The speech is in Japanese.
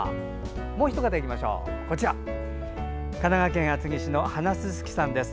もうひとかた、神奈川県厚木市の花すすきさんです。